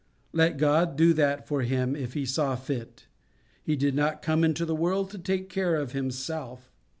Let God do that for Him if He saw fit. He did not come into the world to take care of Himself.